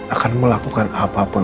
akan melakukan apapun